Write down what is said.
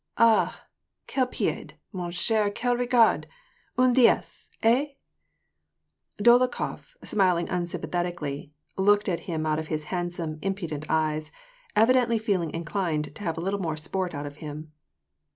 " Ah/ quel 2^^/ ffion cher, quel regard ! une dee^se! Hey ?" Dolokhof, smiling unsympathetically, looked at him out of his handsome, impudent eyes, evidently feeling inclined to have a little more sport out of him.